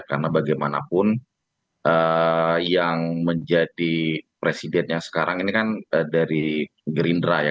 karena bagaimanapun yang menjadi presidennya sekarang ini kan dari gerindra ya